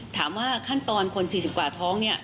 ถามว่าขั้นตอนคน๔๐กว่าท้องเนี่ย